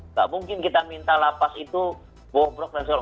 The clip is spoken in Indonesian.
nggak mungkin kita minta lapas itu bobrok dan sebagainya